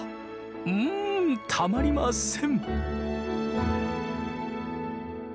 うんたまりません。